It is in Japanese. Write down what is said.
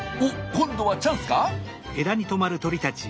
今度はチャンスか？